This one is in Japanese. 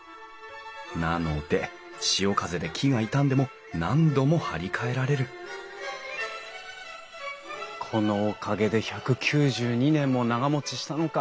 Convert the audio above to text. なので潮風で木が傷んでも何度も張り替えられるこのおかげで１９２年も長もちしたのか。